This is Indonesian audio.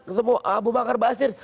ketemu abu bakar basir